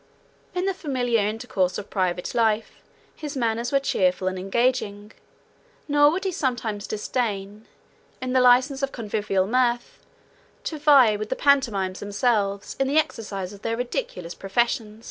In the familiar intercourse of private life, his manners were cheerful and engaging; nor would he sometimes disdain, in the license of convivial mirth, to vie with the pantomimes themselves, in the exercises of their ridiculous profession.